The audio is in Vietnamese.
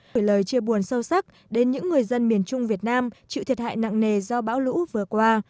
gửi lời chia buồn sâu sắc đến những người dân miền trung việt nam chịu thiệt hại nặng nề do bão lũ vừa qua